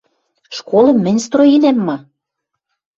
— Школым мӹнь строенӓм ма?